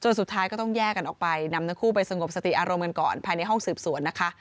นำทั้งคู่ไปสงบสติอารมณ์กันก่อนภายในห้องสืบสวนนะคะ